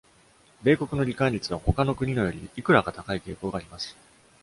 米国の罹患率は、他の国のよりいくらか高い傾向があります。